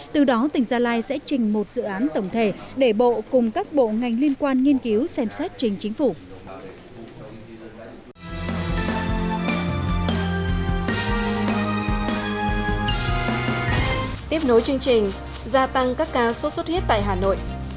từ đó tỉnh gia lai sẽ trình một dự án tổng thể để bộ cùng các bộ ngành liên quan nghiên cứu xem xét trình chính phủ